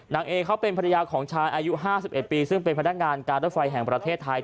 เอเขาเป็นภรรยาของชายอายุ๕๑ปีซึ่งเป็นพนักงานการรถไฟแห่งประเทศไทย